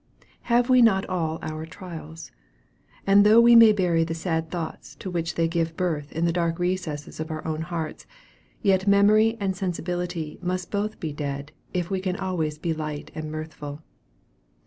Have we not all our trials? And though we may bury the sad thoughts to which they give birth in the dark recesses of our own hearts, yet Memory and Sensibility must both be dead, if we can always be light and mirthful.